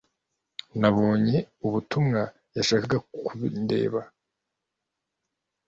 Nabonye ubutumwa yashakaga kundeba.